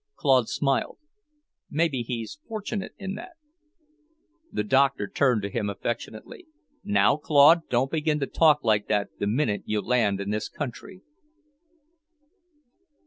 Claude smiled. "Maybe he's fortunate in that." The Doctor turned to him affectionately, "Now Claude, don't begin to talk like that the minute you land in this country."